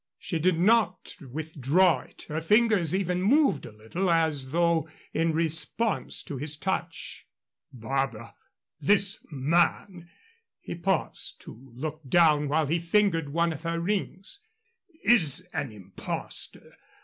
She did not withdraw it her fingers even moved a little as though in response to his touch. "Barbara, this man" he paused to look down while he fingered one of her rings "is an impostor.